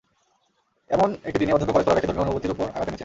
এমন একটি দিনে অধ্যক্ষ কলেজ খোলা রেখে ধর্মীয় অনুভূতির ওপর আঘাত হেনেছেন।